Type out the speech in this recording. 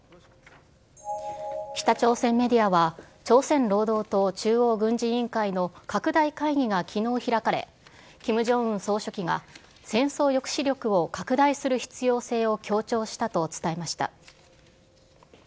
北朝鮮メディアは朝鮮労働党中央軍事委員会の拡大会議がきのう開かれ、キム・ジョンウン総書記が戦争抑止力を拡大する必要性を強調したと伝えました。